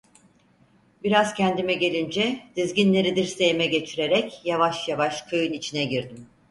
Biraz kendime gelince, dizginleri dirseğime geçirerek yavaş yavaş köyün içine girdim.